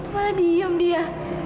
mana diem dia